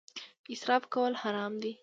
اسراف کول حرام دي